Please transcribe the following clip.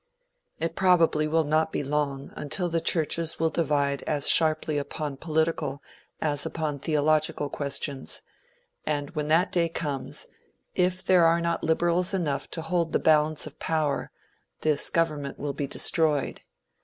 It probably will not be long until the churches will divide as sharply upon political, as upon theological questions; and when that day comes, if there are not liberals enough to hold the balance of power, this government will be destroyed.